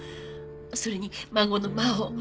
それに孫の真央。